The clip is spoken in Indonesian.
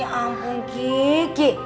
ya ampun keke